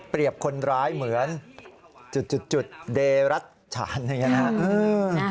เปรียบคนร้ายเหมือนจุดเดรัชชาญอย่างนี้นะคะ